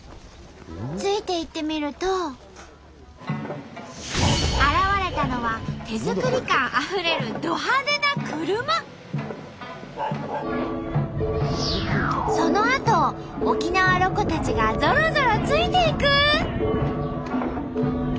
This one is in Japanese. ついていってみると現れたのは手作り感あふれるそのあとを沖縄ロコたちがゾロゾロついていく！